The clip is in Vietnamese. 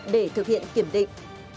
để thực hiện kiểm định